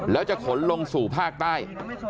แล้วจะขนลงสู่ภาคใต้